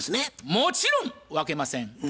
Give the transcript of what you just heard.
もちろん！分けません。